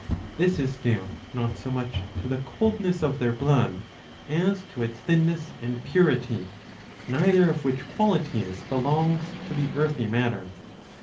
This is due not so much to the coldness of their blood as to its thinness and purity ; neither of which qualities belongs to the earthy matter.